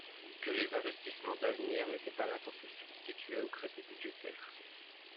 que les investissements d’avenir n’étaient pas là pour se substituer aux crédits budgétaires.